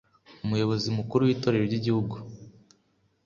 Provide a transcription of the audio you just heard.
Umuyobozi Mukuru w’Itorero ry’Igihugu